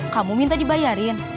kamu minta dibayarin